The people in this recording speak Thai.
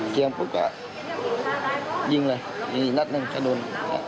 เคียงปุ๊บก็ยิงเลยยิงอีกนัดนึงก็โดน